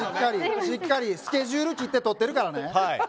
しっかりスケジュールきって撮ってるからね。